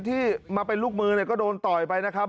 ที่มาเป็นลูกมือเนี่ยก็โดนต่อยไปนะครับ